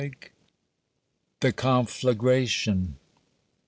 THE CONFLAGRATION.